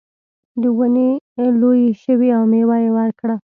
ونې لویې شوې او میوه یې ورکړه.